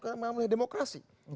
karena memang demokrasi